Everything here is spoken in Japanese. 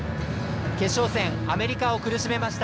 決勝戦、アメリカを苦しめました。